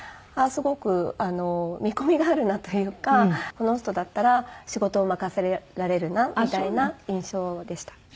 すごく見込みがあるなというかこの人だったら仕事を任せられるなみたいな印象でした。